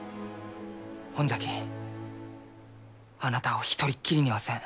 ほんじゃきあなたを一人っきりにはせん。